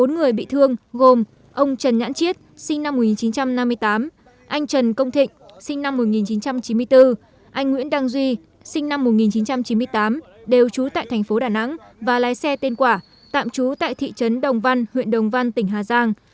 bốn người bị thương gồm ông trần nhãn chiết sinh năm một nghìn chín trăm năm mươi tám anh trần công thịnh sinh năm một nghìn chín trăm chín mươi bốn anh nguyễn đăng duy sinh năm một nghìn chín trăm chín mươi tám đều trú tại thành phố đà nẵng và lái xe tên quả tạm trú tại thị trấn đồng văn huyện đồng văn tỉnh hà giang